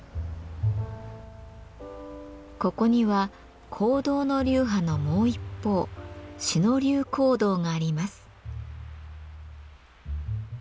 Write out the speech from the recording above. ここには香道の流派のもう一方志野流香道があります。